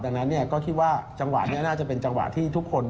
ดังนั้นก็คิดว่าจังหวะนี้น่าจะเป็นจังหวะที่ทุกคน